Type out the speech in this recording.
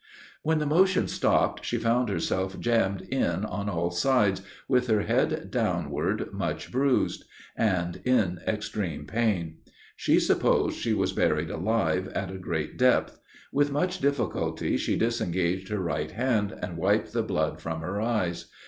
When the motion stopped, she found herself jammed in on all sides, with her head downward, much bruised; and in extreme pain. She supposed she was buried alive, at a great depth; with much difficulty, she disengaged her right hand, and wiped the blood from her eyes.